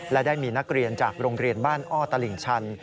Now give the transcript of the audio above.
และได้มีนักเรียนจากโรงเรียนบ้านอ้อตลิ่งชัน